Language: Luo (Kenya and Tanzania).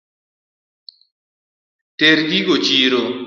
Ter gigo chiro.